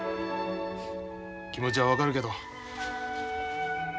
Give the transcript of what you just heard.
気持ちは分かるけど。